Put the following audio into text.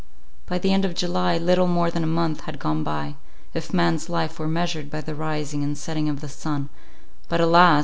By the end of July, little more than a month had gone by, if man's life were measured by the rising and setting of the sun: but, alas!